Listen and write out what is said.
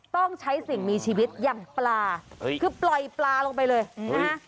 ต้องใช้สิ่งมีชีวิตอย่างปลาคือปล่อยปลาลงไปเลยนะฮะ